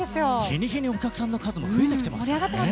日に日にお客さんの数も増えていますね。